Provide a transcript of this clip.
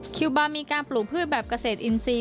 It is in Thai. คิวบาร์มีการปลูกพืชแบบเกษตรอินทรีย์